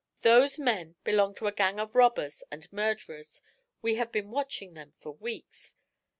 Those men belong to a gang of robbers and murderers; we have been watching them for weeks.